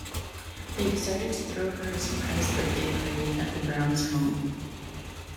They decide to throw her a surprise birthday party at the Browns' home.